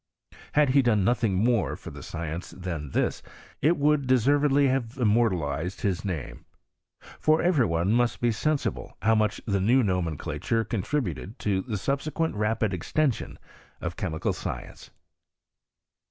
Had he done nothing more^ for the science than this, it would deservedly have immortalized his name. For every one must be sensible how much the new nomenclature contri buted to the subsequent rapid extension of chemical science.